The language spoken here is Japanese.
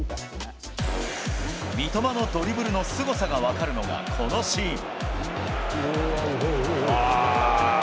三笘のドリブルのすごさが分かるのがこのシーン。